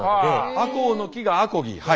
アコウの木がアコギ。